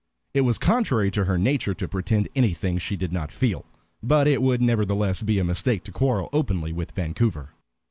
It was contrary to her nature to pretend anything she did not feel, but it would nevertheless be a mistake to quarrel openly with Vancouver.